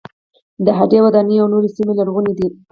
د هډې وداني او نورې سیمې لرغونې دي.